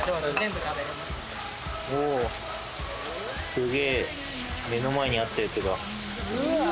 すげえ目の前にあったやつが。